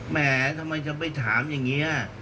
แหมทำไมจะไปถามอย่างนี้